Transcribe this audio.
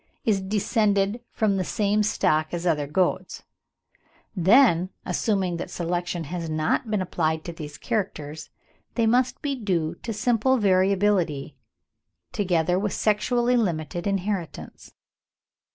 is descended from the same stock as other goats, then, assuming that selection has not been applied to these characters, they must be due to simple variability, together with sexually limited inheritance.